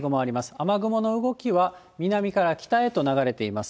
雨雲の動きは南から北へと流れています。